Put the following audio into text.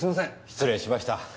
失礼しました。